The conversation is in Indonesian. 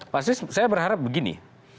pak sis saya berharap begini